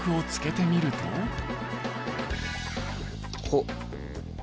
ほっ。